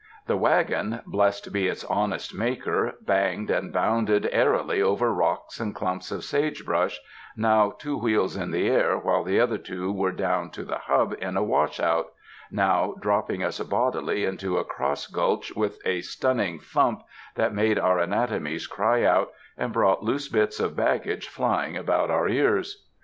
The wagon — blessed be its honest maker — banged and bounded airily over rocks and clumps of sage brush, now two wheels in the air while the other two were down to the hub in a wash out; now dropping us bodily into a cross gulch with a stun ning thump that made our anatomies cry out and brought loose bits of baggage flying about our ears.